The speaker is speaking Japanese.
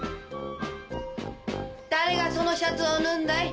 誰がそのシャツを縫うんだい？